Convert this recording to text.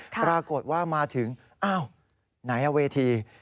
ปรากฏว่ามาถึงอ้าวไหนเวที